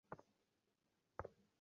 এরপর থেকেই তুমি নীরব হয়ে গেলে।